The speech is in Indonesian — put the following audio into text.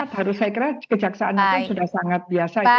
harus harus saya kira kejaksaan itu sudah sangat biasa